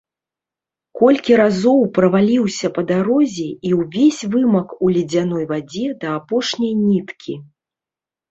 Колькі разоў праваліўся па дарозе і ўвесь вымак у ледзяной вадзе да апошняй ніткі.